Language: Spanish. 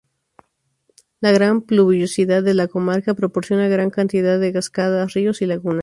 La gran pluviosidad de la comarca proporciona gran cantidad de cascadas, ríos y lagunas.